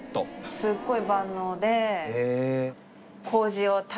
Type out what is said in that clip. すっごい万能で。